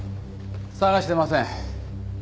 捜してません。